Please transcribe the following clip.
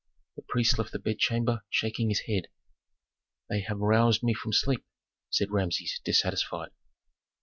The priest left the bedchamber shaking his head. "They have roused me from sleep!" said Rameses, dissatisfied.